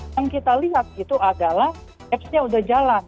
yang kita lihat itu adalah appsnya sudah jalan